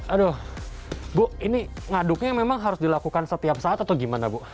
aduh bu ini ngaduknya memang harus dilakukan setiap saat atau gimana bu